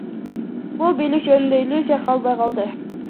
Бул бийлик жөнүндө иллюзия калбай калды.